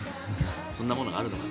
そんなものがあるのか。